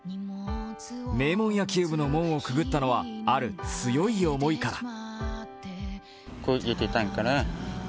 名門野球部の門をくぐったのは、ある強い思いから。